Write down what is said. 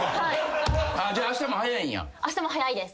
あしたも早いです。